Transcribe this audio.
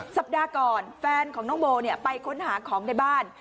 สัปดาห์ก่อนแฟนของน้องโบไปค้นหาของในบ้าน